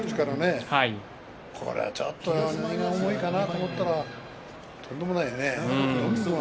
ちょっと荷が重いかなと思ったらとんでもないね。